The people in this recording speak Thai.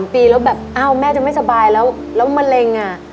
๓ปีแล้วแม่แบบแอ้วเมื่อฉันไม่สบายแล้วมะเร็ง